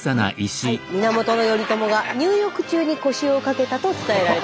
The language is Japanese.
源頼朝が入浴中に腰を掛けたと伝えられています。